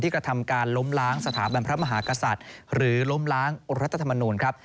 กระทำการล้มล้างสถาบันพระมหากษัตริย์หรือล้มล้างรัฐธรรมนูลครับ